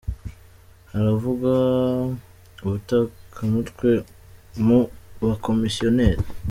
Haravugwa ubutekamutwe mu bakomisiyoneri